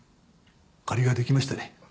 借りが出来ましたね。